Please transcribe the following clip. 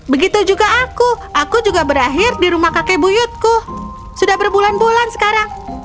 begitu juga aku aku juga berakhir di rumah kakek buyutku sudah berbulan bulan sekarang